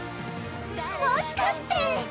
もしかして！